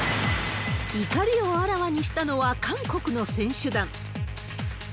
怒りをあらわにしたのは韓国の選手団。